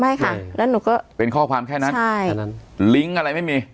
ไม่ค่ะแล้วหนูก็เป็นข้อความแค่นั้นใช่แค่นั้นลิงก์อะไรไม่มี